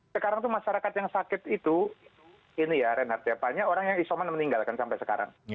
sekarang itu masyarakat yang sakit itu ini ya reinhardt ya banyak orang yang isoman meninggalkan sampai sekarang